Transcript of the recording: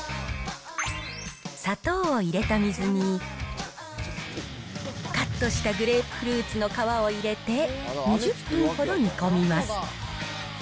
砂糖を入れた水に、カットしたグレープフルーツの皮を入れて２０分ほど煮込みます。